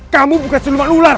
kamu bukan siluman ular